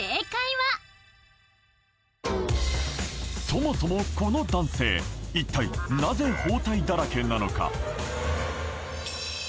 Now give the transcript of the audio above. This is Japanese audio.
そもそもこの男性一体なぜ包帯だらけなのか？